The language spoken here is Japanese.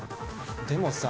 でもさ。